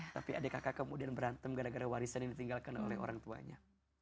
tapi adik kakak kemudian berantem gara gara warisan yang ditinggalkan oleh orang tuanya